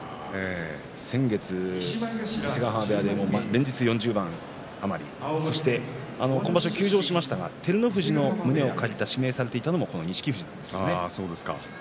先月、伊勢ヶ濱部屋で連日４０番余りそして今場所、休場しましたが照ノ富士の胸を借りた指名されていたのも錦富士なんですね。